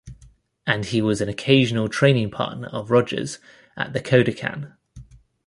And he was an occasional training partner of Rogers at the Kodokan.